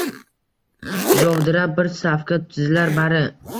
Jovdirab bir safga tizilar bari.